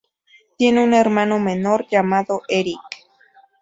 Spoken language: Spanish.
Tiene un hermano menor llamado Erik.